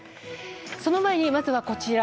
その前に、まずはこちら。